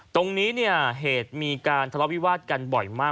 ตรงนี้เนี่ยเหตุมีการทะเลาะวิวาสกันบ่อยมาก